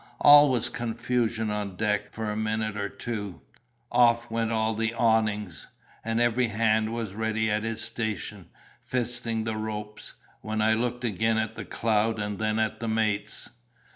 All was confusion on deck for a minute or two—off went all the awnings—and every hand was ready at his station, fisting the ropes; when I looked again at the cloud, and then at the mates.